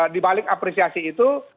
di balik apresiasi itu